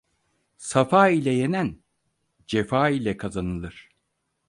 Safa ile yenen cefa ile kazanılır.